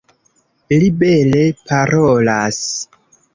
Li bele parolas.